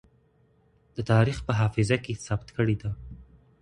د تاريخ په حافظه کې ثبت کړې ده.